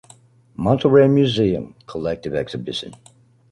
Monterrey Museum, collective exhibition.